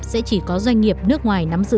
sẽ chỉ có doanh nghiệp nước ngoài nắm giữ